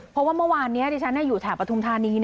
เพราะว่าเมื่อวานนี้ที่ฉันอยู่แถบปฐุมธานี